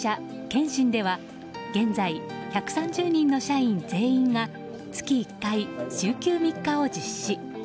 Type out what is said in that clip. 建新では現在、１３０人の社員全員が月１回週休３日を実施。